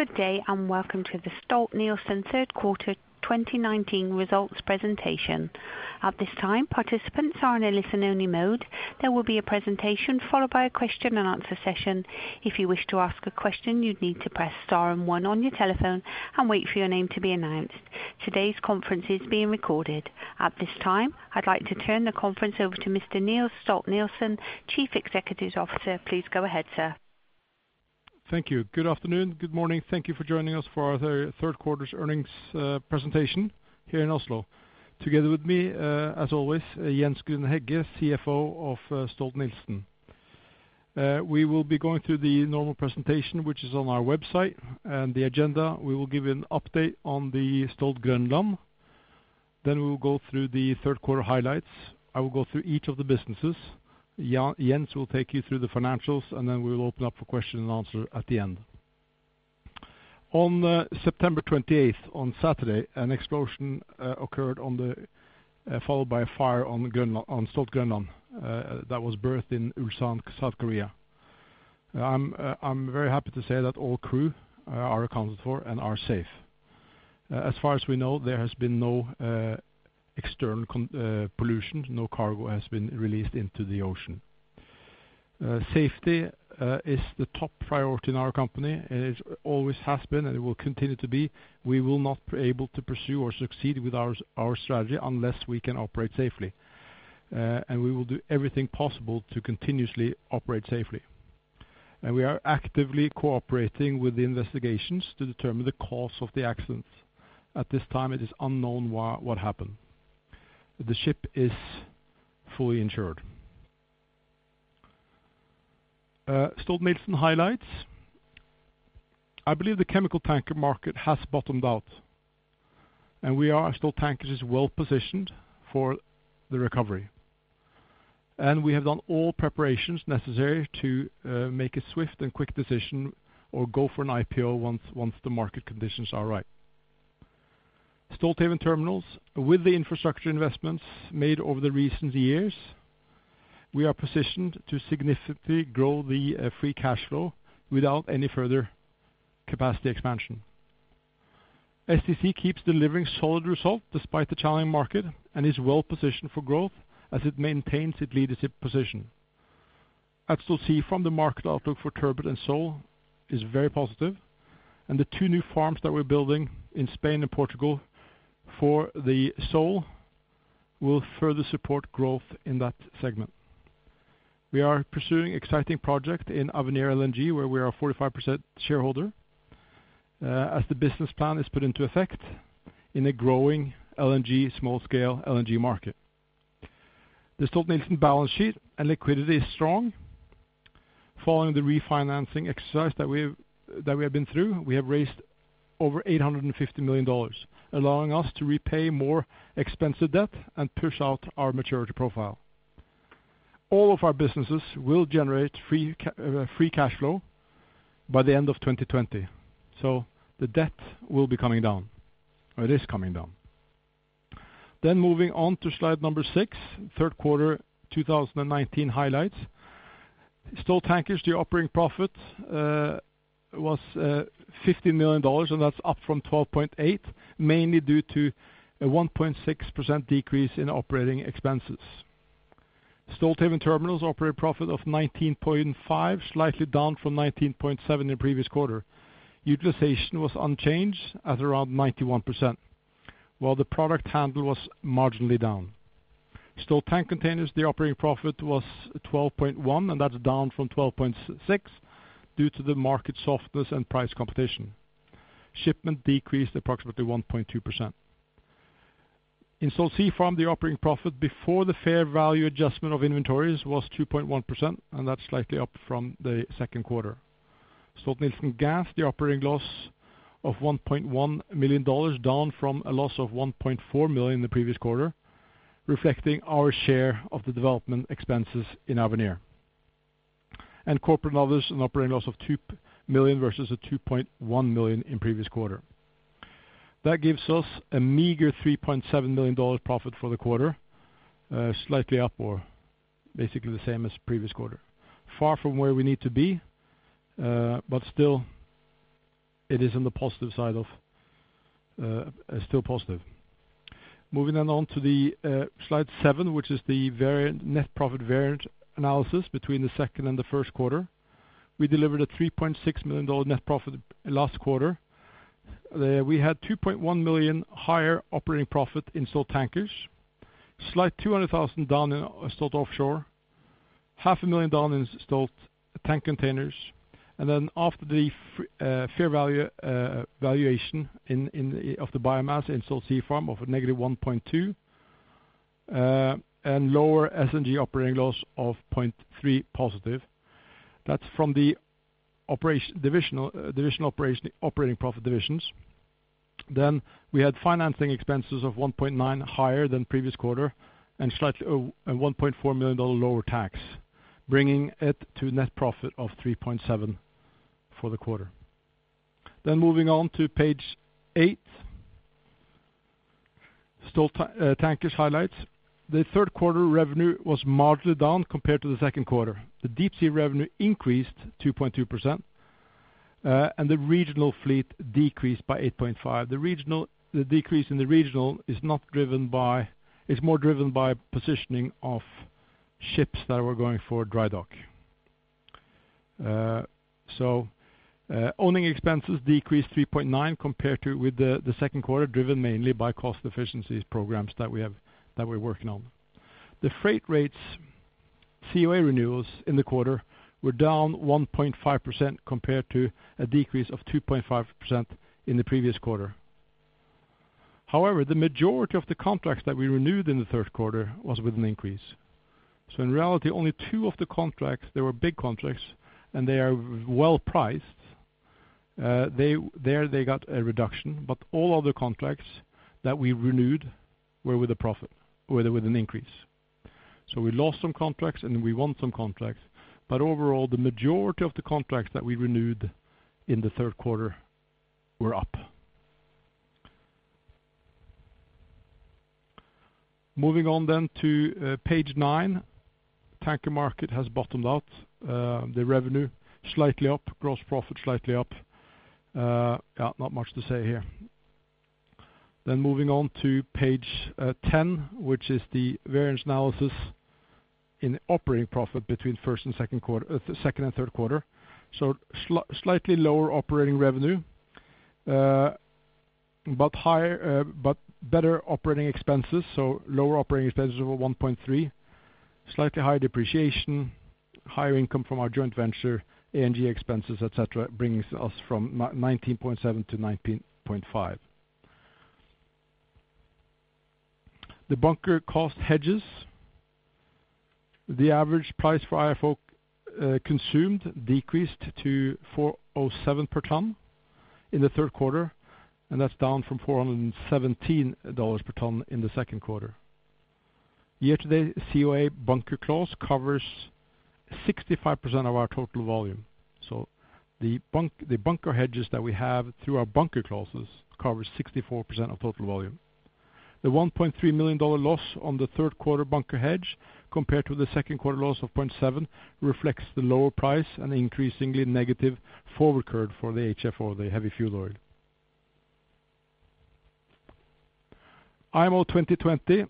Good day and welcome to the Stolt-Nielsen third quarter 2019 results presentation. At this time, participants are in a listen only mode. There will be a presentation followed by a question and answer session. If you wish to ask a question, you need to press star and one on your telephone and wait for your name to be announced. Today's conference is being recorded. At this time, I'd like to turn the conference over to Mr. Niels Stolt-Nielsen, Chief Executive Officer. Please go ahead, sir. Thank you. Good afternoon. Good morning. Thank you for joining us for our third quarter's earnings presentation here in Oslo. Together with me, as always, Jens Grüner-Hegge, CFO of Stolt-Nielsen. We will be going through the normal presentation, which is on our website and the agenda. We will give you an update on the Stolt Groenland. We will go through the third quarter highlights. I will go through each of the businesses. Jens will take you through the financials. We will open up for question and answer at the end. On September 28th, on Saturday, an explosion occurred followed by a fire on Stolt Groenland that was berthed in Ulsan, South Korea. I'm very happy to say that all crew are accounted for and are safe. As far as we know, there has been no external pollution. No cargo has been released into the ocean. Safety is the top priority in our company, and it always has been and it will continue to be. We will not be able to pursue or succeed with our strategy unless we can operate safely. We will do everything possible to continuously operate safely. We are actively cooperating with the investigations to determine the cause of the accident. At this time, it is unknown what happened. The ship is fully insured. Stolt-Nielsen highlights. I believe the chemical tanker market has bottomed out and we are, Stolt Tankers, well-positioned for the recovery. We have done all preparations necessary to make a swift and quick decision or go for an IPO once the market conditions are right. Stolthaven Terminals. With the infrastructure investments made over the recent years, we are positioned to significantly grow the free cash flow without any further capacity expansion. STC keeps delivering solid result despite the challenging market and is well positioned for growth as it maintains its leadership position. At Stolt Sea Farm, the market outlook for turbot and sole is very positive, and the two new farms that we're building in Spain and Portugal for the sole will further support growth in that segment. We are pursuing exciting project in Avenir LNG, where we are a 45% shareholder, as the business plan is put into effect in a growing LNG, small-scale LNG market. The Stolt-Nielsen balance sheet and liquidity is strong. Following the refinancing exercise that we have been through, we have raised over $850 million, allowing us to repay more expensive debt and push out our maturity profile. All of our businesses will generate free cash flow by the end of 2020. The debt will be coming down, or it is coming down. Moving on to slide number six, third quarter 2019 highlights. Stolt Tankers, the operating profit was $15 million, and that's up from $12.8 million, mainly due to a 1.6% decrease in operating expenses. Stolthaven Terminals' operating profit of $19.5 million, slightly down from $19.7 million in previous quarter. Utilization was unchanged at around 91%, while the product handle was marginally down. Stolt Tank Containers, the operating profit was $12.1 million and that's down from $12.6 million due to the market softness and price competition. Shipment decreased approximately 1.2%. In Stolt Sea Farm, the operating profit before the fair value adjustment of inventories was 2.1%, and that's slightly up from the second quarter. Stolt-Nielsen Gas, the operating loss of $1.1 million, down from a loss of $1.4 million in the previous quarter, reflecting our share of the development expenses in Avenir. Corporate and others, an operating loss of $2 million versus a $2.1 million in previous quarter. That gives us a meager $3.7 million profit for the quarter, slightly up or basically the same as the previous quarter. Far from where we need to be, but still it is still positive. Moving on to slide seven, which is the net profit variant analysis between the second and the first quarter. We delivered a $3.6 million net profit last quarter. We had $2.1 million higher operating profit in Stolt Tankers, slight $200,000 down in Stolt Offshore, $500,000 down in Stolt Tank Containers, and then after the fair valuation of the biomass in Stolt Sea Farm of a -$1.2 million and lower SNG operating loss of $0.3 million positive. That's from the divisional operating profit divisions. We had financing expenses of $1.9 million higher than previous quarter and $1.4 million lower tax, bringing it to net profit of $3.7 million for the quarter. Moving on to page eight Stolt Tankers highlights. The third quarter revenue was moderately down compared to the second quarter. The deep sea revenue increased 2.2%, and the regional fleet decreased by 8.5%. The decrease in the regional is more driven by positioning of ships that were going for dry dock. Owning expenses decreased 3.9% compared with the second quarter, driven mainly by cost efficiencies programs that we're working on. The freight rates COA renewals in the quarter were down 1.5% compared to a decrease of 2.5% in the previous quarter. However, the majority of the contracts that we renewed in the third quarter was with an increase. In reality, only two of the contracts, they were big contracts, and they are well priced. There they got a reduction, all other contracts that we renewed were with a profit or with an increase. We lost some contracts and we won some contracts. Overall, the majority of the contracts that we renewed in the third quarter were up. Moving on to page nine. Tanker market has bottomed out, the revenue slightly up, gross profit slightly up. Not much to say here. Moving on to page 10, which is the variance analysis in operating profit between first and second quarter, second and third quarter. Slightly lower operating revenue, better operating expenses. Lower operating expenses of $1.3, slightly higher depreciation, higher income from our joint venture, A&G expenses, et cetera, brings us from $19.7 to $19.5. The bunker cost hedges. The average price for IFO consumed decreased to $407 per ton in the third quarter. That's down from $417 per ton in the second quarter. Year to date, COA bunker clause covers 65% of our total volume. The bunker hedges that we have through our bunker clauses cover 64% of total volume. The $1.3 million loss on the third quarter bunker hedge compared to the second quarter loss of $0.7 million reflects the lower price and increasingly negative forward curve for the HFO, the heavy fuel oil. IMO 2020,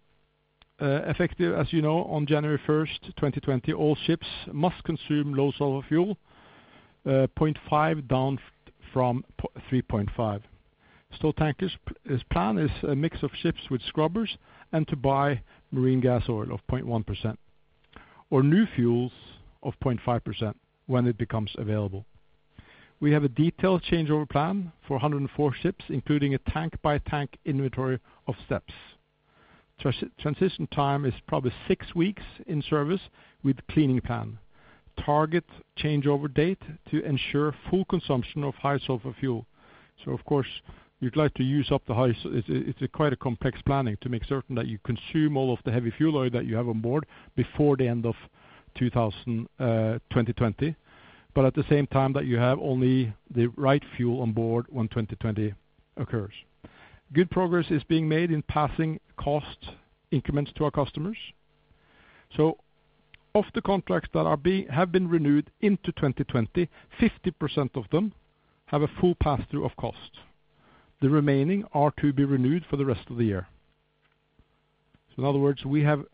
effective, as you know, on January 1st, 2020, all ships must consume low sulfur fuel, 0.5% down from 3.5%. Stolt Tankers' plan is a mix of ships with scrubbers and to buy marine gas oil of 0.1%, or new fuels of 0.5% when it becomes available. We have a detailed changeover plan for 104 ships, including a tank-by-tank inventory of steps. Transition time is probably six weeks in service with cleaning plan. Target changeover date to ensure full consumption of high sulfur fuel. Of course, it's a quite a complex planning to make certain that you consume all of the heavy fuel oil that you have on board before the end of 2020. At the same time that you have only the right fuel on board when 2020 occurs. Good progress is being made in passing cost increments to our customers. Of the contracts that have been renewed into 2020, 50% of them have a full pass-through of cost. The remaining are to be renewed for the rest of the year. In other words, we have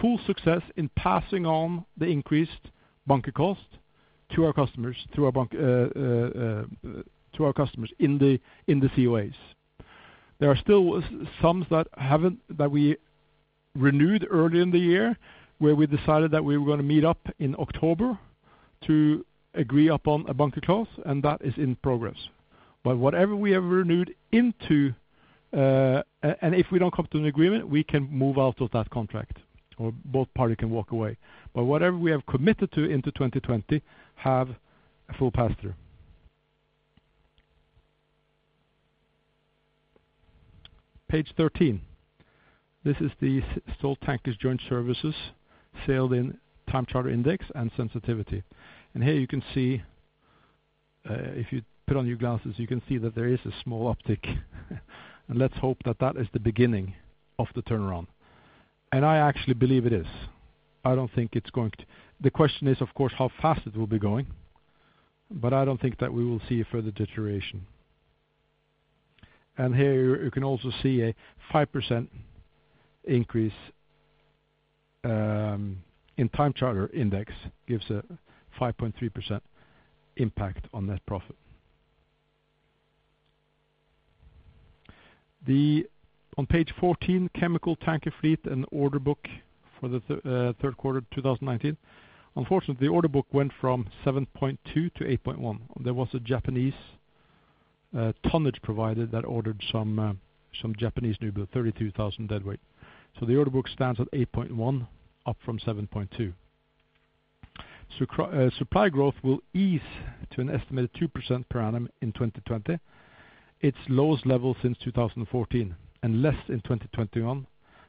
full success in passing on the increased bunker cost to our customers in the COAs. There are still some that we renewed early in the year where we decided that we were going to meet up in October to agree upon a bunker clause, and that is in progress. If we don't come to an agreement, we can move out of that contract or both party can walk away. Whatever we have committed to into 2020 have a full pass-through. Page 13. This is the Stolt Tankers Joint Services sailed in Time Charter Index and sensitivity. Here you can see, if you put on your glasses, you can see that there is a small uptick and let's hope that that is the beginning of the turnaround. I actually believe it is. The question is, of course, how fast it will be going, but I don't think that we will see a further deterioration. Here you can also see a 5% increase in Time Charter Index gives a 5.3% impact on net profit. On page 14, chemical tanker fleet and the order book for the third quarter of 2019. Unfortunately, the order book went from 7.2 to 8.1. There was a Japanese tonnage provider that ordered some Japanese newbuild, 32,000 deadweight. The order book stands at 8.1, up from 7.2. Supply growth will ease to an estimated 2% per annum in 2020, its lowest level since 2014 and less in 2021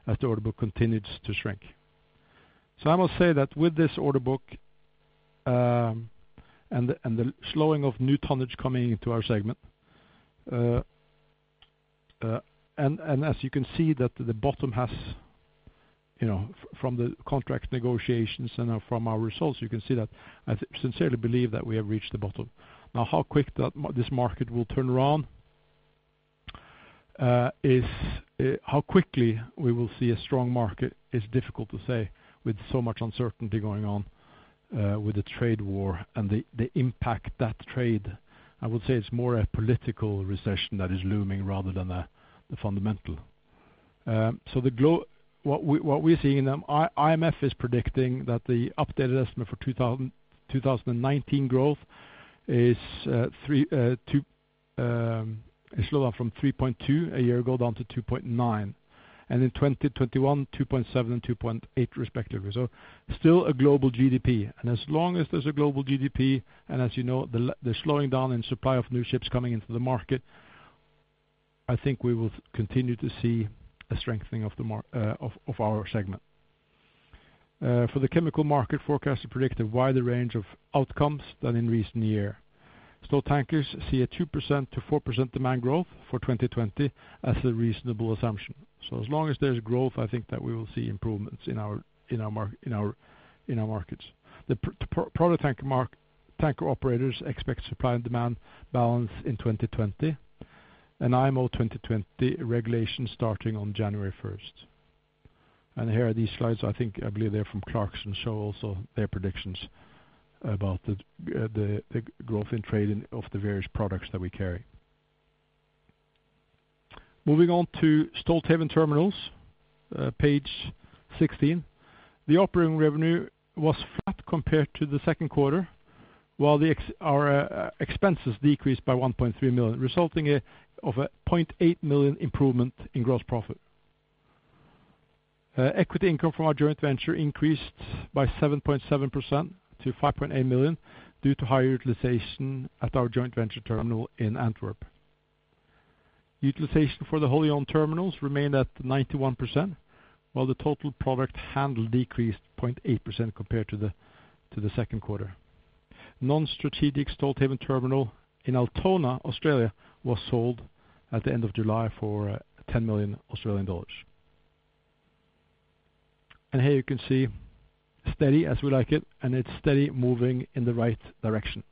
as the order book continues to shrink. I must say that with this order book and the slowing of new tonnage coming into our segment, and as you can see that the bottom has from the contract negotiations and from our results, you can see that I sincerely believe that we have reached the bottom. How quickly we will see a strong market is difficult to say with so much uncertainty going on with the trade war and the impact that trade, I would say it's more a political recession that is looming rather than the fundamental. What we are seeing, IMF is predicting that the updated estimate for 2019 growth is slow down from 3.2 a year ago down to 2.9, and in 2021, 2.7 and 2.8 respectively. Still a global GDP. As long as there's a global GDP, and as you know, the slowing down in supply of new ships coming into the market, I think we will continue to see a strengthening of our segment. For the chemical market forecast to predict a wider range of outcomes than in recent year. Stolt Tankers see a 2%-4% demand growth for 2020 as a reasonable assumption. As long as there's growth, I think that we will see improvements in our markets. The product tanker operators expect supply and demand balance in 2020, and IMO 2020 regulations starting on January 1st. Here are these slides, I think, I believe they're from Clarksons and show also their predictions about the growth in trade of the various products that we carry. Moving on to Stolthaven Terminals, page 16. The operating revenue was flat compared to the second quarter, while our expenses decreased by $1.3 million, resulting of a $0.8 million improvement in gross profit. Equity income from our joint venture increased by 7.7% to $5.8 million due to higher utilization at our joint venture terminal in Antwerp. Utilization for the wholly owned terminals remained at 91%, while the total product handle decreased 0.8% compared to the second quarter. Non-strategic Stolthaven terminal in Altona, Australia was sold at the end of July for 10 million Australian dollars. Here you can see steady as we like it, and it's steady moving in the right direction,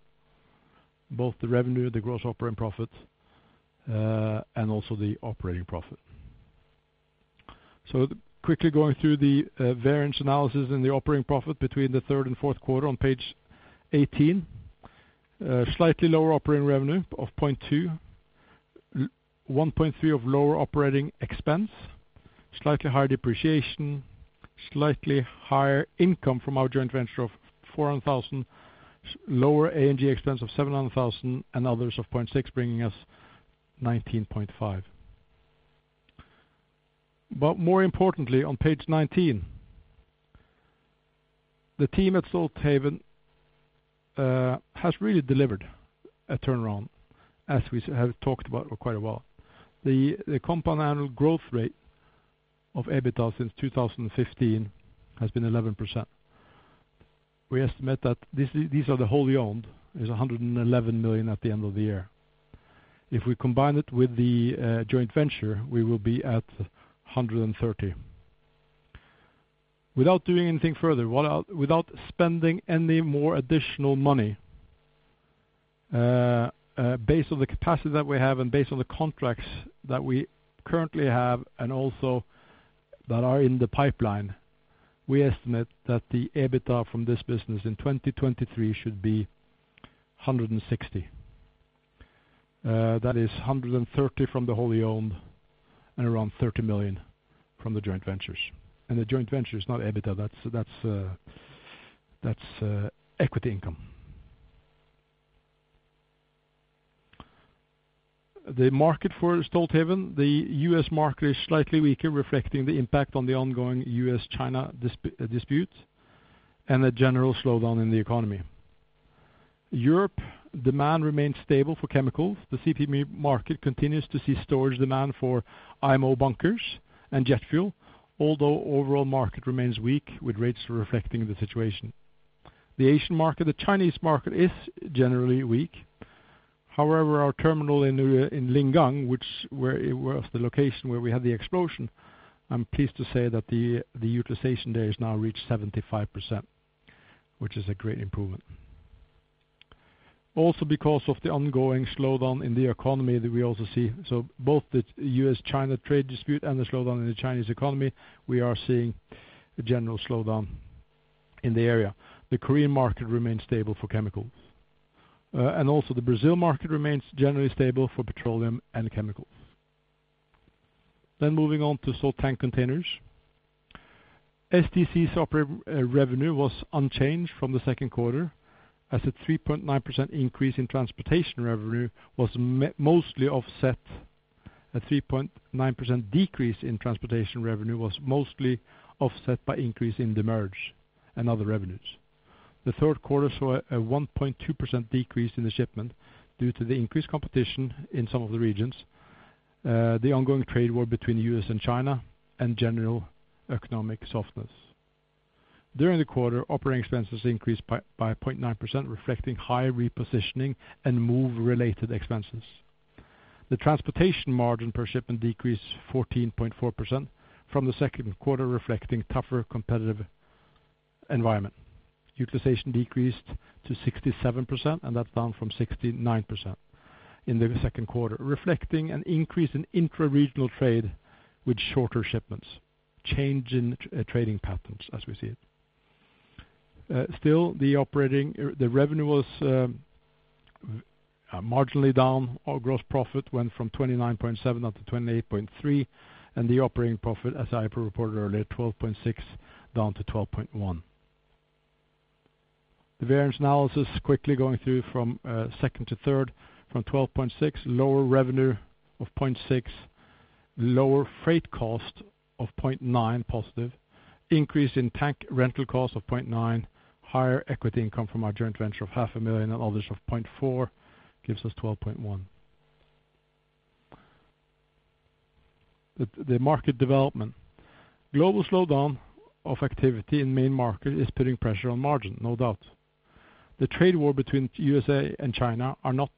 both the revenue, the gross operating profit, and also the operating profit. Quickly going through the variance analysis in the operating profit between the third and fourth quarter on page 18. Slightly lower operating revenue of $0.2, $1.3 of lower operating expense, slightly higher depreciation, slightly higher income from our joint venture of $400,000, lower A&G expense of $700,000 and others of $0.6, bringing us $19.5. More importantly, on page 19, the team at Stolthaven has really delivered a turnaround, as we have talked about for quite a while. The compound annual growth rate of EBITDA since 2015 has been 11%. We estimate that, these are the wholly owned, is $111 million at the end of the year. If we combine it with the joint venture, we will be at $130 million. Without doing anything further, without spending any more additional money, based on the capacity that we have and based on the contracts that we currently have and also that are in the pipeline, we estimate that the EBITDA from this business in 2023 should be $160 million. That is $130 million from the wholly owned and around $30 million from the joint ventures. The joint venture is not EBITDA, that's equity income. The market for Stolthaven, the U.S. market is slightly weaker, reflecting the impact on the ongoing U.S.-China dispute and a general slowdown in the economy. Europe, demand remains stable for chemicals. The CPP market continues to see storage demand for IMO bunkers and jet fuel, although overall market remains weak with rates reflecting the situation. The Asian market, the Chinese market is generally weak. Our terminal in Lingang, which was the location where we had the explosion, I'm pleased to say that the utilization there has now reached 75%, which is a great improvement. Because of the ongoing slowdown in the economy that we also see, so both the U.S.-China trade dispute and the slowdown in the Chinese economy, we are seeing a general slowdown in the area. The Korean market remains stable for chemicals. The Brazil market remains generally stable for petroleum and chemicals. Moving on to Stolt Tank Containers. STC's revenue was unchanged from the second quarter as a 3.9% decrease in transportation revenue was mostly offset by increase in the M&R and other revenues. The third quarter saw a 1.2% decrease in the shipment due to the increased competition in some of the regions, the ongoing trade war between the U.S. and China, and general economic softness. During the quarter, operating expenses increased by 0.9%, reflecting high repositioning and move-related expenses. The transportation margin per shipment decreased 14.4% from the second quarter, reflecting tougher competitive environment. Utilization decreased to 67%, and that's down from 69% in the second quarter, reflecting an increase in intra-regional trade with shorter shipments. Change in trading patterns, as we see it. The revenue was marginally down. Our gross profit went from $29.7 up to $28.3, and the operating profit, as I reported earlier, $12.6 down to $12.1. The variance analysis, quickly going through from second to third, from $12.6, lower revenue of $0.6, lower freight cost of $0.9, positive. Increase in tank rental cost of $0.9, higher equity income from our joint venture of $ half a million and others of $0.4 gives us $12.1. The market development. Global slowdown of activity in main market is putting pressure on margin, no doubt. The trade war between U.S. and China are not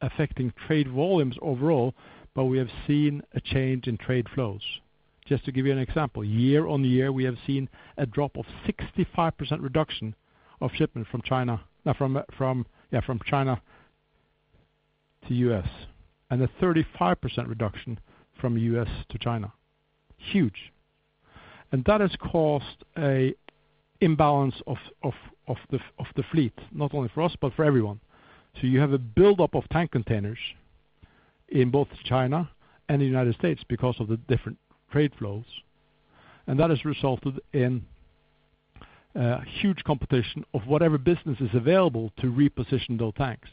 affecting trade volumes overall, but we have seen a change in trade flows. Just to give you an example, year on year, we have seen a drop of 65% reduction of shipment from China to U.S., and a 35% reduction from U.S. to China. Huge. That has caused an imbalance of the fleet, not only for us, but for everyone. You have a buildup of tank containers in both China and the U.S. because of the different trade flows. That has resulted in huge competition of whatever business is available to reposition those tanks.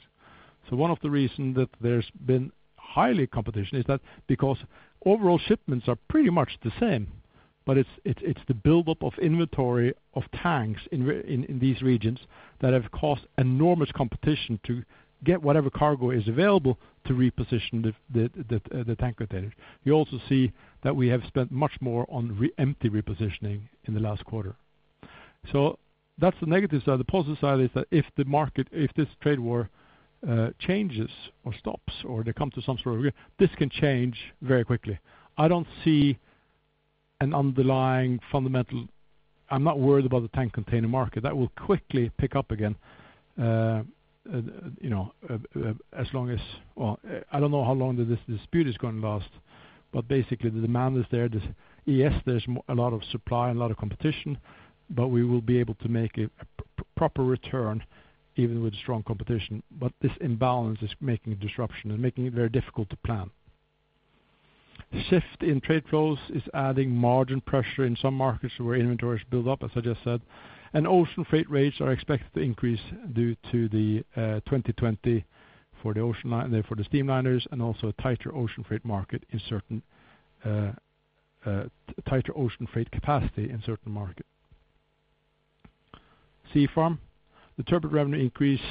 One of the reason that there's been highly competition is that because overall shipments are pretty much the same, but it's the buildup of inventory of tanks in these regions that have caused enormous competition to get whatever cargo is available to reposition the tank container. You also see that we have spent much more on empty repositioning in the last quarter. That's the negative side. The positive side is that if this trade war changes or stops or they come to some sort of agreement, this can change very quickly. I don't see an underlying fundamental. I'm not worried about the tank container market. That will quickly pick up again. I don't know how long this dispute is going to last, but basically the demand is there. Yes, there's a lot of supply and a lot of competition, but we will be able to make a proper return even with strong competition. This imbalance is making a disruption and making it very difficult to plan. Shift in trade flows is adding margin pressure in some markets where inventory is built up, as I just said, and ocean freight rates are expected to increase due to the 2020 for the steam liners and also tighter ocean freight capacity in certain markets. Seafarm. The turbot revenue increased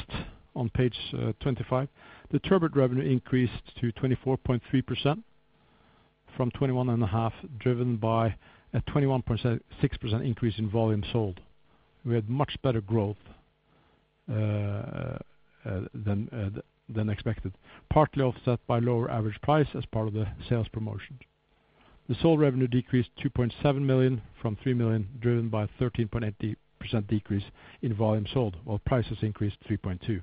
on page 25. The turbot revenue increased to 24.3% from 21.5%, driven by a 21.6% increase in volume sold. We had much better growth than expected, partly offset by lower average price as part of the sales promotion. The sole revenue decreased $2.7 million from $3 million, driven by 13.8% decrease in volume sold, while prices increased 3.2%.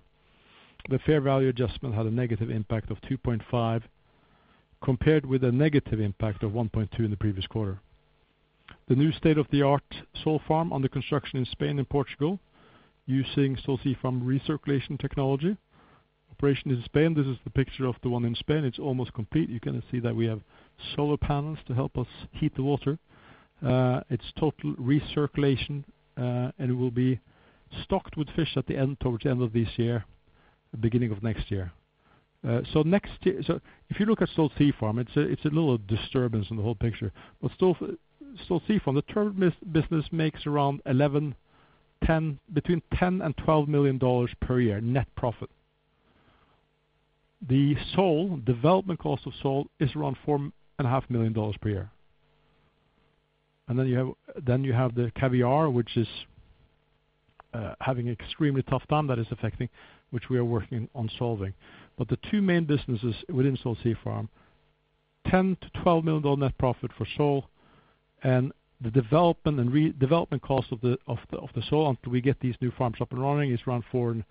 The fair value adjustment had a negative impact of $2.5, compared with a negative impact of $1.2 in the previous quarter. The new state-of-the-art sole farm under construction in Spain and Portugal using Stolt Sea Farm recirculation technology. Operation in Spain. This is the picture of the one in Spain. It is almost complete. You can see that we have solar panels to help us heat the water. It is total recirculation, and it will be stocked with fish towards the end of this year, the beginning of next year. If you look at Stolt Sea Farm, it is a little disturbance in the whole picture. Stolt Sea Farm, the turbot business makes around between $10 million and $12 million per year net profit. The development cost of sole is around $4.5 million per year. You have the caviar, which is having extremely tough time that is affecting, which we are working on solving. The two main businesses within Stolt Sea Farm, $10 million to $12 million net profit for sole and the development cost of the sole until we get these new farms up and running is around $4.5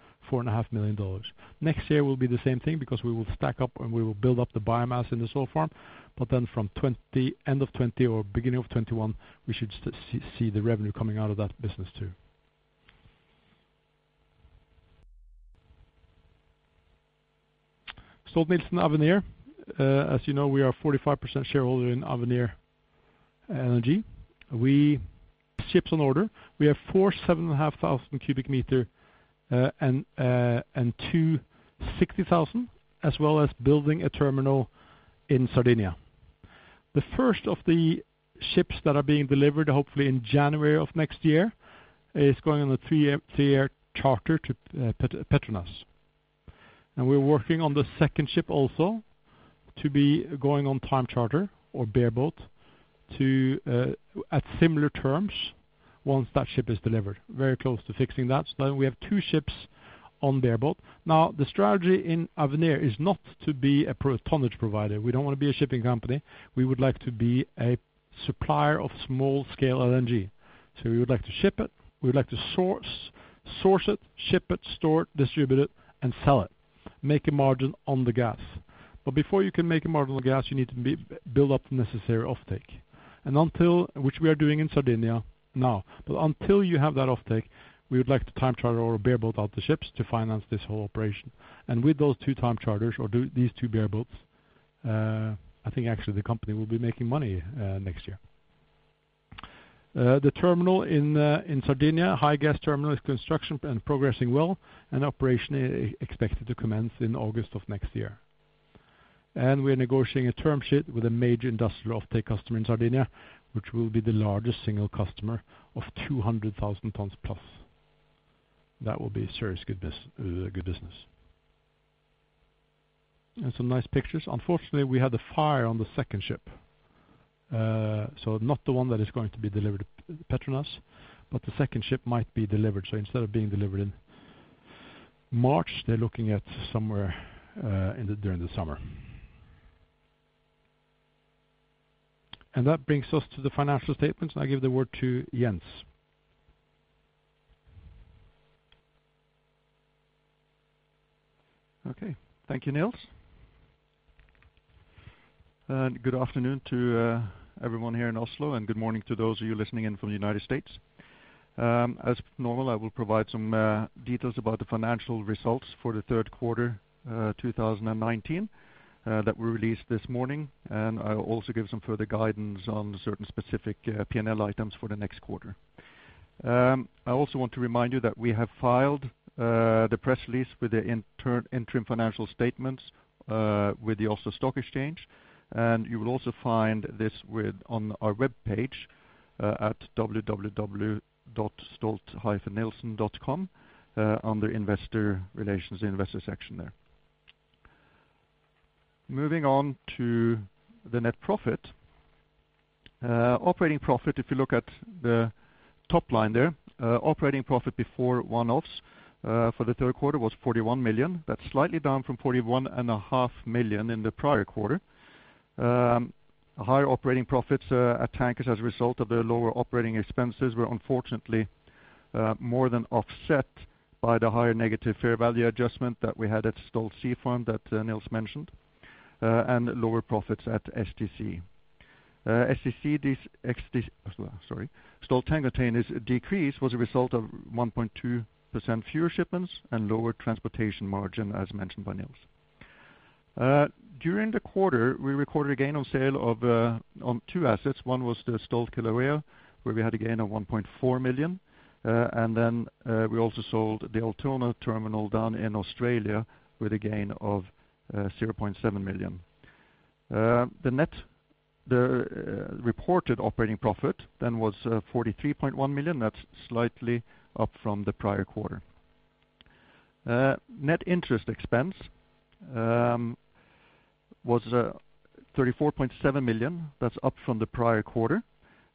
million. Next year will be the same thing because we will stack up and we will build up the biomass in the sole farm. From end of 2020 or beginning of 2021, we should see the revenue coming out of that business too. Stolt-Nielsen Avenir. As you know, we are a 45% shareholder in Avenir LNG. Ships on order. We have 4 7,500 cubic meter and 2 60,000, as well as building a terminal in Sardinia. The first of the ships that are being delivered, hopefully in January of next year, is going on a 3-year charter to Petronas. We are working on the second ship also to be going on time charter or bareboat at similar terms once that ship is delivered. Very close to fixing that. We have 2 ships on bareboat. The strategy in Avenir is not to be a tonnage provider. We don't want to be a shipping company. We would like to be a supplier of small scale LNG. We would like to ship it, we would like to source it, ship it, store it, distribute it, and sell it, make a margin on the gas. Before you can make a margin on the gas, you need to build up the necessary offtake. Which we are doing in Sardinia now. Until you have that offtake, we would like to time charter or bareboat out the ships to finance this whole operation. With those two time charters or these two bareboats, I think actually the company will be making money next year. The terminal in Sardinia, Higas terminal, is construction and progressing well, and operation is expected to commence in August of next year. We are negotiating a term sheet with a major industrial offtake customer in Sardinia, which will be the largest single customer of 200,000 tons+. That will be serious good business. Some nice pictures. Unfortunately, we had the fire on the second ship. Not the one that is going to be delivered to Petronas, but the second ship might be delivered. Instead of being delivered in March, they're looking at somewhere during the summer. That brings us to the financial statements. I give the word to Jens. Okay. Thank you, Nils. Good afternoon to everyone here in Oslo and good morning to those of you listening in from the United States. As normal, I will provide some details about the financial results for the third quarter 2019, that were released this morning, and I will also give some further guidance on certain specific P&L items for the next quarter. I also want to remind you that we have filed the press release with the interim financial statements with the Oslo Stock Exchange. You will also find this on our webpage at www.stolt-nielsen.com under investor relations, the investor section there. Moving on to the net profit. Operating profit, if you look at the top line there, operating profit before one-offs for the third quarter was $41 million. That's slightly down from $41.5 million in the prior quarter. Higher operating profits at Tankers as a result of the lower operating expenses were unfortunately more than offset by the higher negative fair value adjustment that we had at Stolt Sea Farm that Niels mentioned, and lower profits at STC. Sorry. Stolt Tank Containers decrease was a result of 1.2% fewer shipments and lower transportation margin as mentioned by Niels. During the quarter, we recorded a gain on sale on two assets. One was the Stolt Kilauea, where we had a gain of $1.4 million. Then we also sold the Altona terminal down in Australia with a gain of $0.7 million. The reported operating profit then was $43.1 million. That is slightly up from the prior quarter. Net interest expense was $34.7 million. That is up from the prior quarter.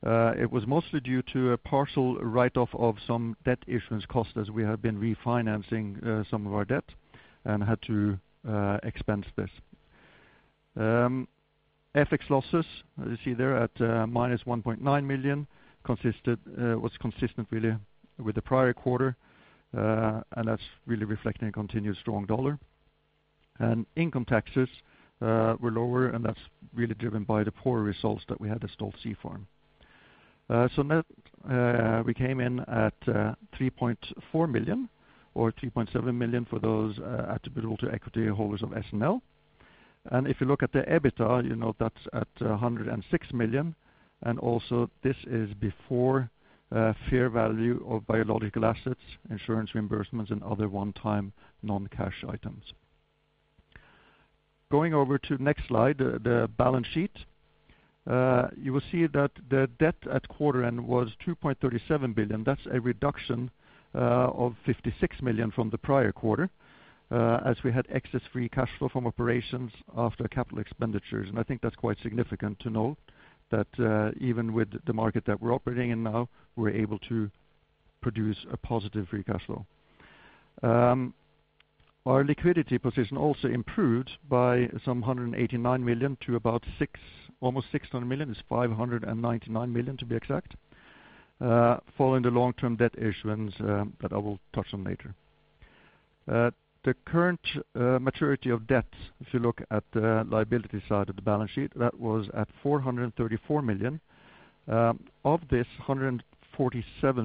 It was mostly due to a partial write-off of some debt issuance cost as we have been refinancing some of our debt and had to expense this. FX losses, as you see there at -$1.9 million, was consistent really with the prior quarter. That's really reflecting a continued strong dollar. Income taxes were lower and that's really driven by the poor results that we had at Stolt Sea Farm. Net, we came in at $3.4 million or $3.7 million for those attributable to equity holders of SNL. If you look at the EBITDA, you note that's at $106 million and also this is before fair value of biological assets, insurance reimbursements, and other one-time non-cash items. Going over to next slide, the balance sheet, you will see that the debt at quarter end was $2.37 billion. That's a reduction of $56 million from the prior quarter, as we had excess free cash flow from operations after capital expenditures, and I think that's quite significant to note, that even with the market that we are operating in now, we are able to produce a positive free cash flow. Our liquidity position also improved by some $189 million to about almost $600 million, it's $599 million to be exact, following the long-term debt issuance that I will touch on later. The current maturity of debts, if you look at the liability side of the balance sheet, that was at $434 million. Of this, $147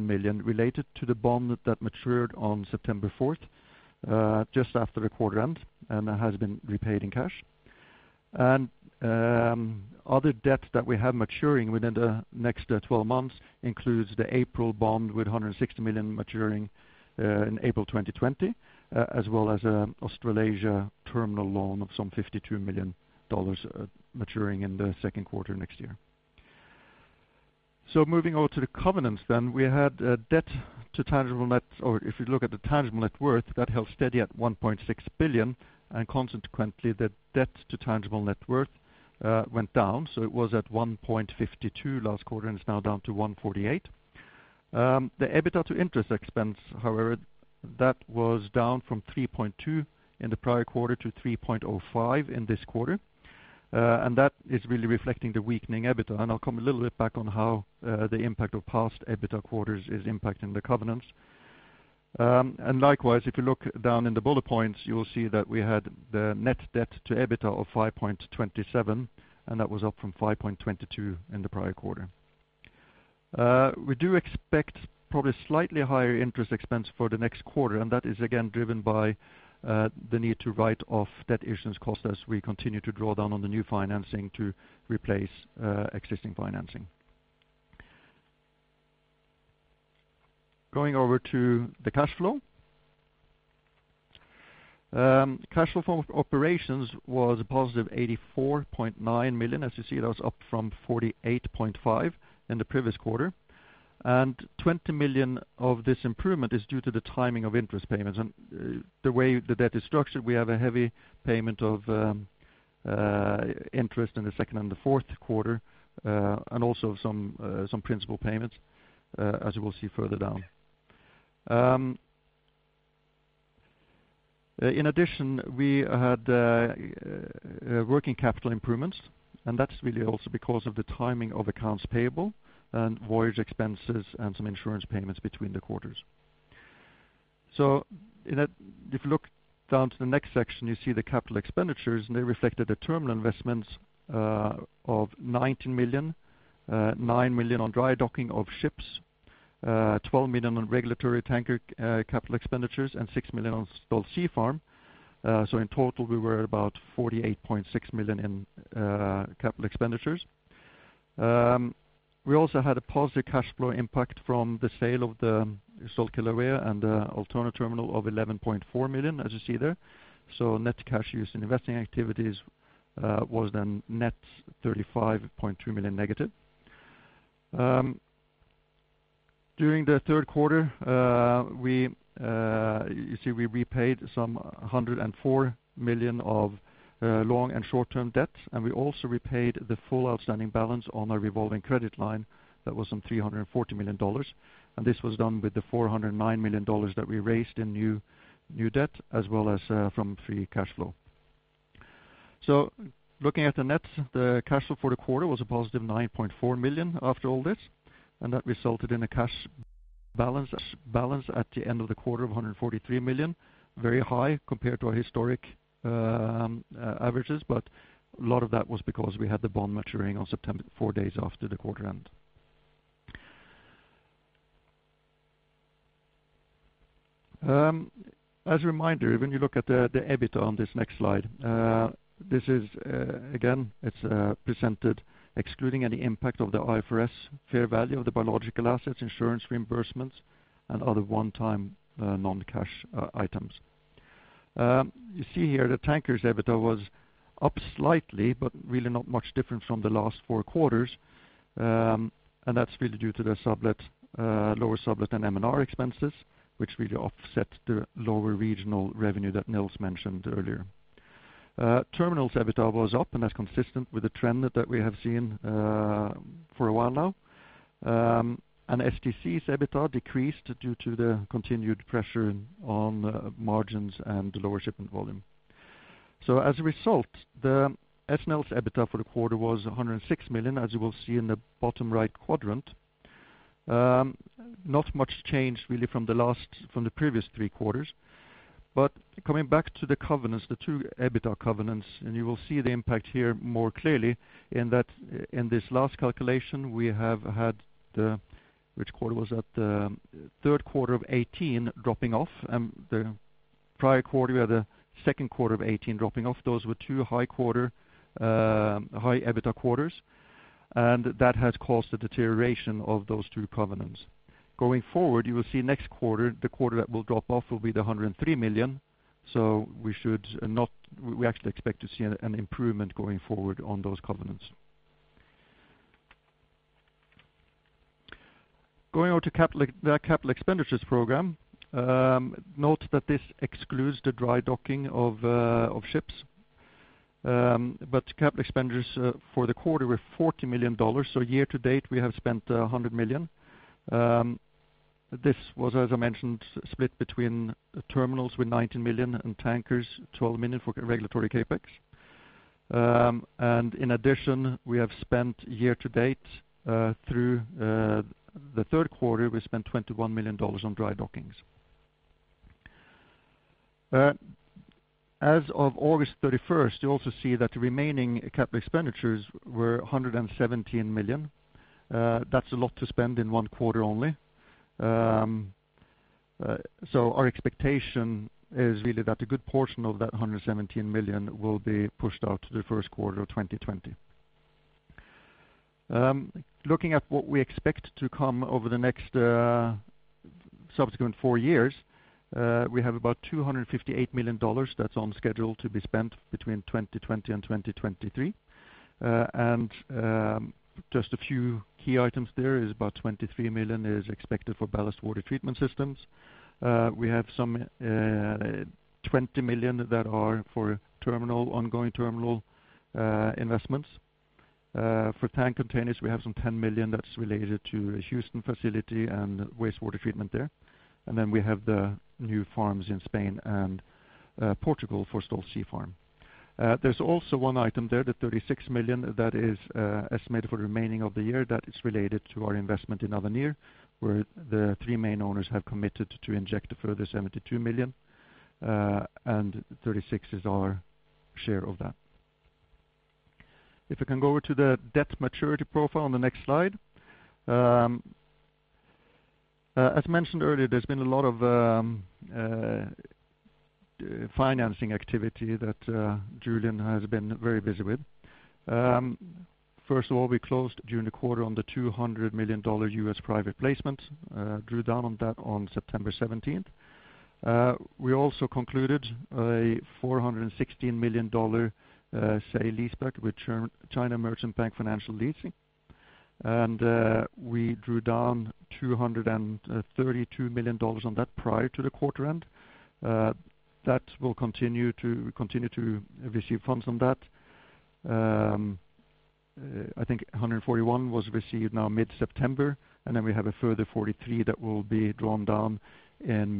million related to the bond that matured on September 4th, just after the quarter end, and has been repaid in cash. Other debt that we have maturing within the next 12 months includes the April bond with $160 million maturing in April 2020, as well as Australasia terminal loan of some $52 million maturing in the second quarter next year. Moving over to the covenants then. If you look at the tangible net worth, that held steady at $1.6 billion, and consequently the debt to tangible net worth went down. It was at 1.52 last quarter and is now down to 1.48. The EBITDA to interest expense, however, that was down from 3.2 in the prior quarter to 3.05 in this quarter. That is really reflecting the weakening EBITDA. I'll come a little bit back on how the impact of past EBITDA quarters is impacting the covenants. Likewise, if you look down in the bullet points, you will see that we had the net debt to EBITDA of 5.27, and that was up from 5.22 in the prior quarter. We do expect probably slightly higher interest expense for the next quarter, that is again driven by the need to write off debt issuance cost as we continue to draw down on the new financing to replace existing financing. Going over to the cash flow. Cash flow from operations was a positive $84.9 million. As you see, that was up from $48.5 in the previous quarter. $20 million of this improvement is due to the timing of interest payments. The way the debt is structured, we have a heavy payment of interest in the second and the fourth quarter, also some principal payments, as we'll see further down. In addition, we had working capital improvements, and that's really also because of the timing of accounts payable and voyage expenses and some insurance payments between the quarters. If you look down to the next section, you see the capital expenditures, and they reflected the terminal investments of $19 million, $9 million on dry docking of ships, $12 million on regulatory tanker capital expenditures, and $6 million on Stolt Sea Farm. In total, we were about $48.6 million in capital expenditures. We also had a positive cash flow impact from the sale of the Stolt Kilauea and the Altona terminal of $11.4 million, as you see there. Net cash used in investing activities was then net $35.2 million negative. During the third quarter, you see we repaid some $104 million of long and short-term debt, we also repaid the full outstanding balance on our revolving credit line that was some $340 million. This was done with the $409 million that we raised in new debt as well as from free cash flow. Looking at the net, the cash flow for the quarter was a positive $9.4 million after all this, that resulted in a cash balance at the end of the quarter of $143 million. Very high compared to our historic averages, a lot of that was because we had the bond maturing on September, four days after the quarter end. As a reminder, when you look at the EBITDA on this next slide, this is again, it is presented excluding any impact of the IFRS fair value of the biological assets, insurance reimbursements, and other one-time non-cash items. You see here the Tankers’ EBITDA was up slightly, but really not much different from the last four quarters. That is really due to the lower sublet and M&R expenses, which really offset the lower regional revenue that Nils mentioned earlier. Terminals EBITDA was up and that is consistent with the trend that we have seen for a while now. STC's EBITDA decreased due to the continued pressure on margins and lower shipment volume. As a result, the SNL’s EBITDA for the quarter was $106 million, as you will see in the bottom right quadrant. Not much change really from the previous three quarters. Coming back to the covenants, the two EBITDA covenants, and you will see the impact here more clearly in this last calculation, we have had the, which quarter was that? The third quarter of 2018 dropping off. The prior quarter, we had the second quarter of 2018 dropping off. Those were two high EBITDA quarters. That has caused a deterioration of those two covenants. Going forward, you will see next quarter, the quarter that will drop off will be the $103 million. We actually expect to see an improvement going forward on those covenants. Going on to the capital expenditures program. Note that this excludes the dry docking of ships. Capital expenditures for the quarter were $40 million. Year to date, we have spent $100 million. This was, as I mentioned, split between terminals with $19 million and tankers, $12 million for regulatory CapEx. In addition, we have spent year to date through the third quarter, we spent $21 million on dry dockings. As of August 31st, you also see that the remaining capital expenditures were $117 million. That's a lot to spend in one quarter only. Our expectation is really that a good portion of that $117 million will be pushed out to the first quarter of 2020. Looking at what we expect to come over the next subsequent four years, we have about $258 million that's on schedule to be spent between 2020 and 2023. Just a few key items there is about $23 million is expected for ballast water treatment systems. We have some $20 million that are for ongoing terminal investments. For tank containers, we have some $10 million that's related to a Houston facility and wastewater treatment there. We have the new farms in Spain and Portugal for Stolt Sea Farm. There's also one item there, the $36 million that is estimated for the remaining of the year that is related to our investment in Avenir, where the three main owners have committed to inject a further $72 million, and $36 is our share of that. If we can go over to the debt maturity profile on the next slide. As mentioned earlier, there's been a lot of financing activity that Julian has been very busy with. First of all, we closed during the quarter on the $200 million U.S. private placement, drew down on that on September 17th. We also concluded a $416 million sale leaseback with China Merchant Bank Financial Leasing. We drew down $232 million on that prior to the quarter end. That will continue to receive funds from that. I think $141 was received now mid-September, then we have a further $43 that will be drawn down in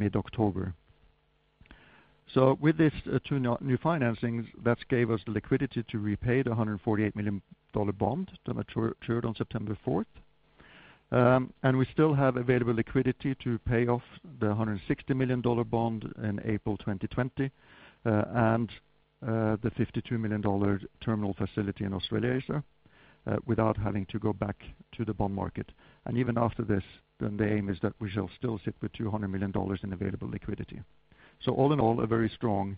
mid-October. With these two new financings, that gave us the liquidity to repay the $148 million bond that matured on September 4th. We still have available liquidity to pay off the $160 million bond in April 2020, and the $52 million terminal facility in Australia, without having to go back to the bond market. Even after this, the aim is that we shall still sit with $200 million in available liquidity. All in all, a very strong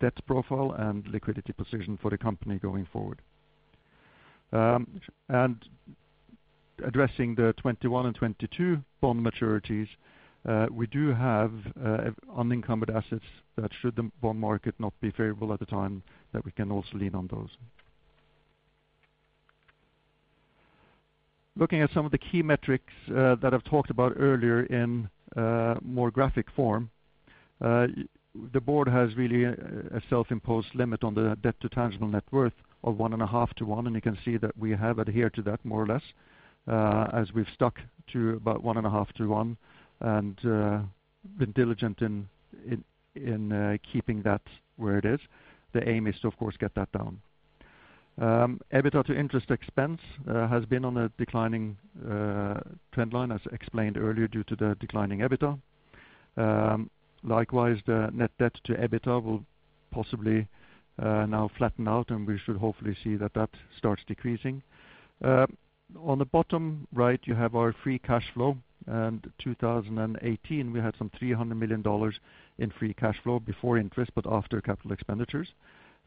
debt profile and liquidity position for the company going forward. Addressing the 2021 and 2022 bond maturities, we do have unencumbered assets that should the bond market not be favorable at the time, that we can also lean on those. Looking at some of the key metrics that I've talked about earlier in more graphic form. The board has really a self-imposed limit on the debt to tangible net worth of one and a half to one, and you can see that we have adhered to that more or less, as we've stuck to about one and a half to one, and been diligent in keeping that where it is. The aim is to, of course, get that down. EBITDA to interest expense has been on a declining trend line as explained earlier due to the declining EBITDA. Likewise, the net debt to EBITDA will possibly now flatten out, and we should hopefully see that that starts decreasing. On the bottom right, you have our free cash flow. 2018, we had some $300 million in free cash flow before interest, but after capital expenditures.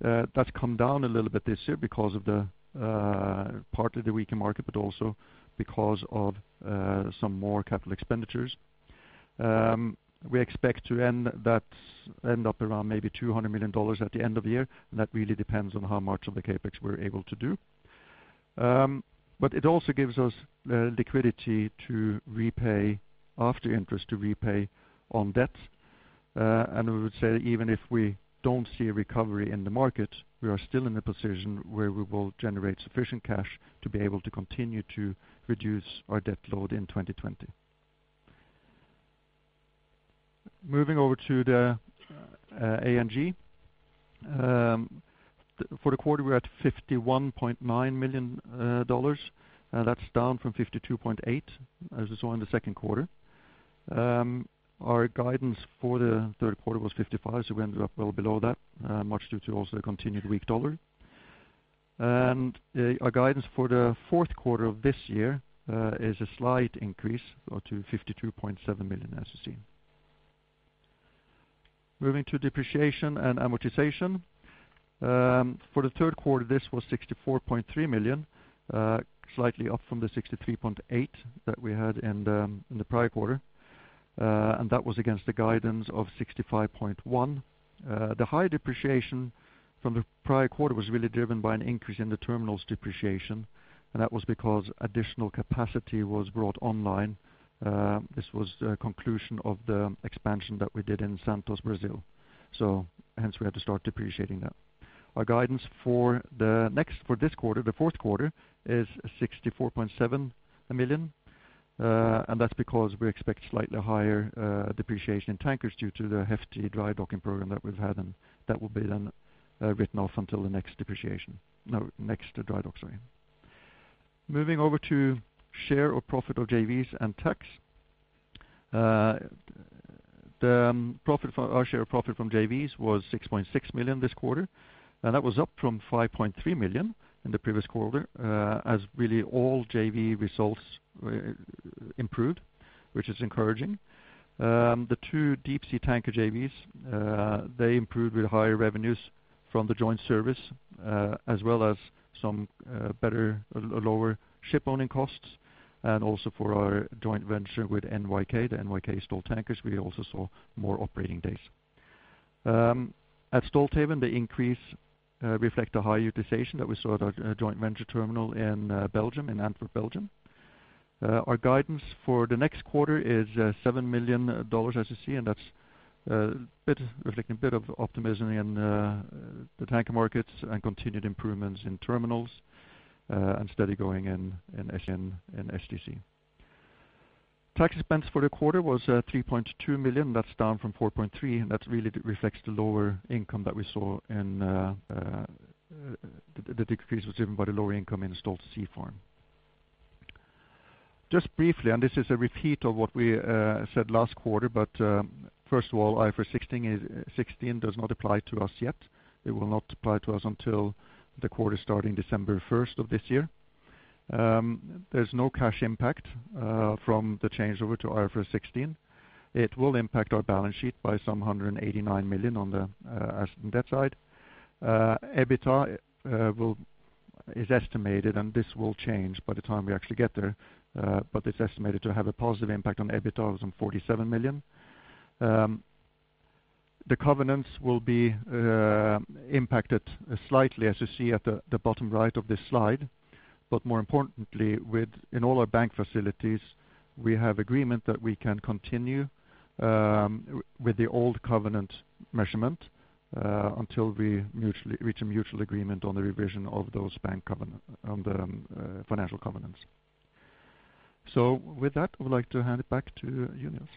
That's come down a little bit this year because of partly the weaker market, but also because of some more capital expenditures. We expect to end that up around maybe $200 million at the end of the year. That really depends on how much of the CapEx we're able to do. It also gives us liquidity to repay, after interest, to repay on debt. We would say even if we don't see a recovery in the market, we are still in a position where we will generate sufficient cash to be able to continue to reduce our debt load in 2020. Moving over to the A&G. For the quarter, we're at $51.9 million. That's down from $52.8 as you saw in the second quarter. Our guidance for the third quarter was $55. We ended up well below that, much due to also the continued weak dollar. Our guidance for the fourth quarter of this year is a slight increase to $52.7 million as you see. Moving to depreciation and amortization. For the third quarter, this was $64.3 million, slightly up from the $63.8 million that we had in the prior quarter. That was against the guidance of $65.1 million. The high depreciation from the prior quarter was really driven by an increase in the terminal's depreciation, that was because additional capacity was brought online. This was the conclusion of the expansion that we did in Santos, Brazil. Hence we had to start depreciating that. Our guidance for this quarter, the fourth quarter, is $64.7 million. That's because we expect slightly higher depreciation in tankers due to the hefty dry docking program that we've had, that will be then written off until the next dry dock. Moving over to share or profit of JVs and tax. The profit from our share profit from JVs was $6.6 million this quarter, and that was up from $5.3 million in the previous quarter, as really all JV results improved, which is encouraging. The two deep sea tanker JVs, they improved with higher revenues from the joint service, as well as some better lower ship owning costs, and also for our joint venture with NYK, the NYK-Stolt Tankers, we also saw more operating days. At Stolthaven, the increase reflects the high utilization that we saw at our joint venture terminal in Antwerp, Belgium. Our guidance for the next quarter is $7 million, as you see, and that's reflecting a bit of optimism in the tanker markets and continued improvements in terminals and steady going in SGN and SGC. Tax expense for the quarter was $3.2 million. That's down from $4.3, that really reflects the lower income that we saw, the decrease was driven by the lower income in Stolt Sea Farm. Just briefly, this is a repeat of what we said last quarter, first of all, IFRS 16 does not apply to us yet. It will not apply to us until the quarter starting December 1st of this year. There's no cash impact from the changeover to IFRS 16. It will impact our balance sheet by some $189 million on the asset and debt side. EBITA is estimated, this will change by the time we actually get there, it's estimated to have a positive impact on EBITA of some $47 million. The covenants will be impacted slightly, as you see at the bottom right of this slide. More importantly, in all our bank facilities, we have agreement that we can continue with the old covenant measurement until we reach a mutual agreement on the revision of those financial covenants. With that, I would like to hand it back to Jens.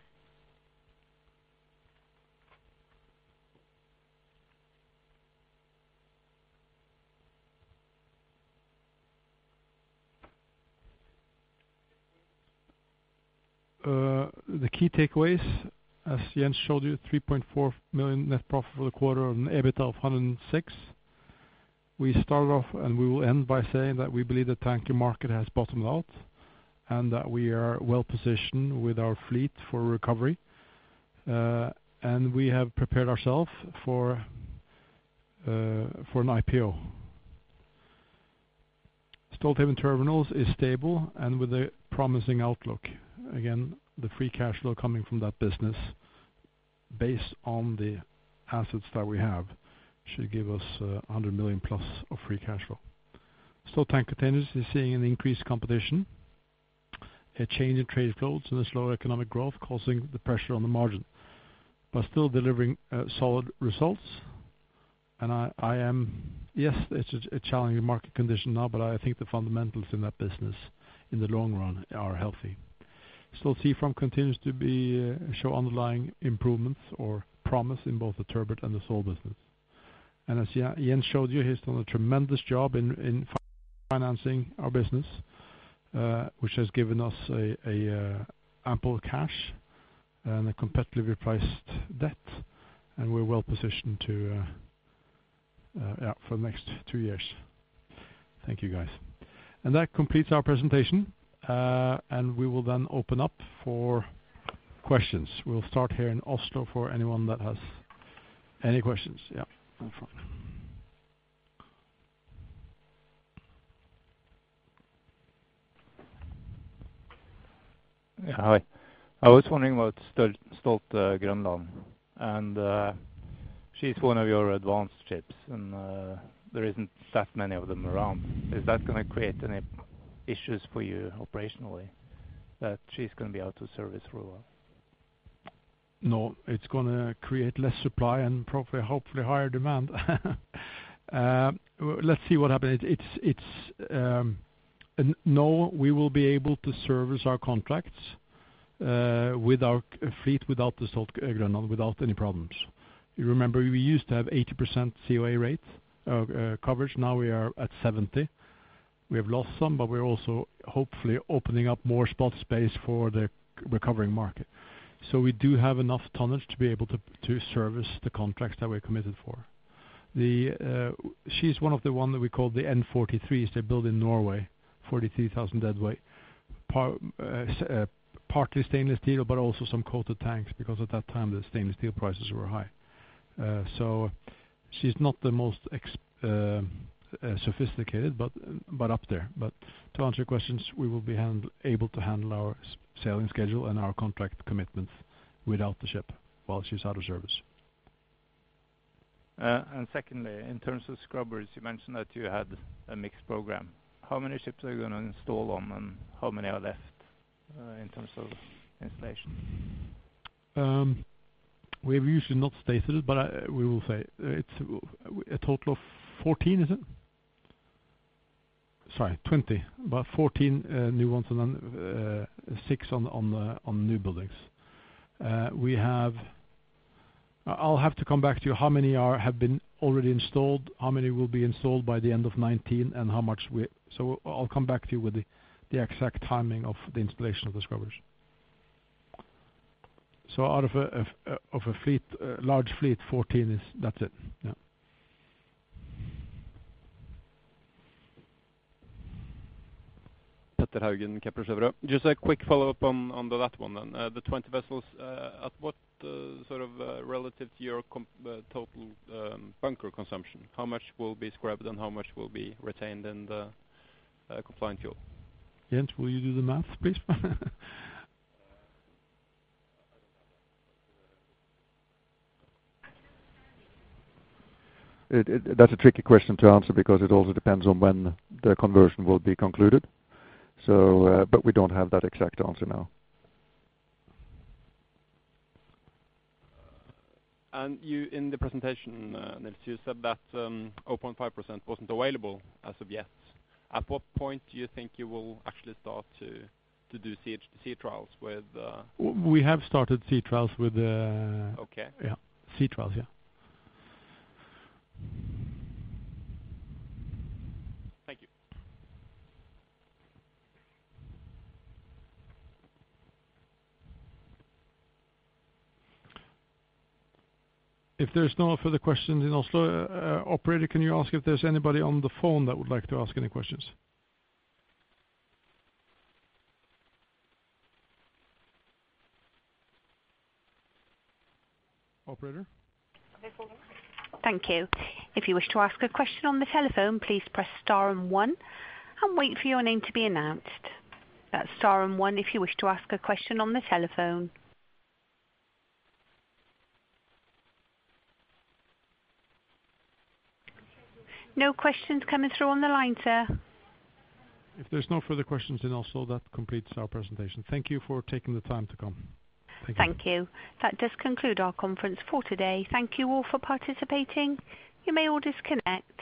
The key takeaways, as Jens showed you, $3.4 million net profit for the quarter on an EBITDA of $106. We start off and we will end by saying that we believe the tanker market has bottomed out, and that we are well-positioned with our fleet for recovery. We have prepared ourselves for an IPO. Stolthaven Terminals is stable and with a promising outlook. Again, the free cash flow coming from that business based on the assets that we have should give us $100 million-plus of free cash flow. Stolt Tank Containers is seeing an increased competition, a change in trade flows, and a slower economic growth causing the pressure on the margin, but still delivering solid results. Yes, it's a challenging market condition now, but I think the fundamentals in that business in the long run are healthy. Stolt Sea Farm continues to show underlying improvements or promise in both the turbot and the sole business. As Jens showed you, he's done a tremendous job in financing our business which has given us ample cash and a competitively priced debt, and we're well positioned for the next two years. Thank you, guys. That completes our presentation. We will then open up for questions. We'll start here in Oslo for anyone that has any questions. Yeah. Out front. Yeah. Hi. I was wondering about Stolt Groenland. She is one of your advanced ships, and there isn't that many of them around. Is that going to create any issues for you operationally, that she's going to be out of service for a while? No, it's going to create less supply and hopefully higher demand. Let's see what happens. No, we will be able to service our contracts with our fleet, without the Stolt Groenland, without any problems. You remember we used to have 80% COA rates of coverage, now we are at 70. We have lost some, we are also hopefully opening up more spot space for the recovering market. We do have enough tonnage to be able to service the contracts that we are committed for. She is one of the ones that we call the N-43s. They're built in Norway, 43,000 deadweight, partly stainless steel, but also some coated tanks, because at that time, the stainless steel prices were high. She's not the most sophisticated, but up there. To answer your questions, we will be able to handle our sailing schedule and our contract commitments without the ship while she's out of service. Secondly, in terms of scrubbers, you mentioned that you had a mixed program. How many ships are you going to install on them? How many are left in terms of installation? We have usually not stated, but we will say. It's a total of 14, is it? Sorry, 20, but 14 new ones and then six on new buildings. I'll have to come back to you how many have been already installed, how many will be installed by the end of 2019. I'll come back to you with the exact timing of the installation of the scrubbers. Out of a large fleet, 14, that's it. Yeah. Petter Haugen, Kepler Cheuvreux. Just a quick follow-up on the last one then. The 20 vessels, at what sort of relative to your total bunker consumption, how much will be scrubbed and how much will be retained in the compliant fuel? Jens, will you do the math, please? That's a tricky question to answer because it also depends on when the conversion will be concluded. We don't have that exact answer now. You, in the presentation, Nils, you said that 0.5% wasn't available as of yet. At what point do you think you will actually start to do sea trials with? We have started sea trials with. Okay. Yeah. Sea trials, yeah. Thank you. If there's no further questions in Oslo, operator, can you ask if there's anybody on the phone that would like to ask any questions? Operator? Thank you. If you wish to ask a question on the telephone, please press star and one and wait for your name to be announced. That's star and one if you wish to ask a question on the telephone. No questions coming through on the line, sir. If there's no further questions in Oslo, that completes our presentation. Thank you for taking the time to come. Thank you. Thank you. That does conclude our conference for today. Thank you all for participating. You may all disconnect.